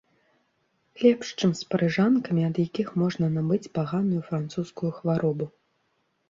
Лепш, чым з парыжанкамі, ад якіх можна набыць паганую французскую хваробу.